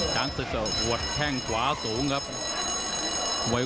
แล้วทีมงานน่าสื่อ